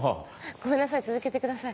ごめんなさい続けてください。